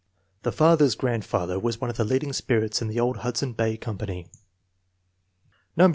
The father's grandfather was one of the leading spirits in the old Hudson Bay Company. No.